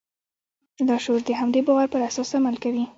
لاشعور د همدې باور پر اساس عمل کوي.